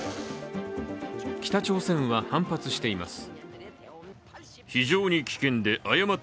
北朝鮮は反発しています。